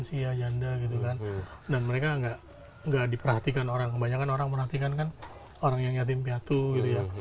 ya ada orang yang beransia janda gitu kan dan mereka nggak diperhatikan orang kebanyakan orang merhatikan kan orang yang yatim piatu gitu ya